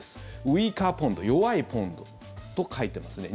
ウィーカー・ポンド弱いポンドと書いてますね。